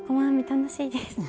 楽しいですよね。